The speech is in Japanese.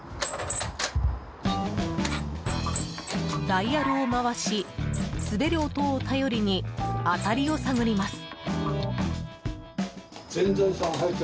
ダイヤルを回し滑る音を頼りに当たりを探ります。